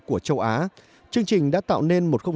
cho rất nhiều người đàn ông